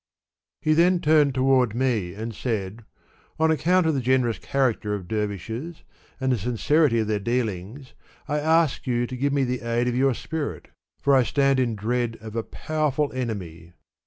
He then turned toward me and said, " On account of the generous character of dervishes, and the sincerity of their dealings, I ask you to give me the aid of your spirit, for 1 stand in dread of a powerful enemy."